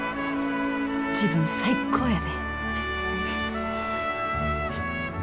自分最高やで！